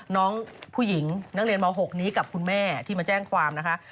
น้องผู้หญิงนักเรียนม๖นี้กับคุณแม่ที่มาแจ้งความนะคะ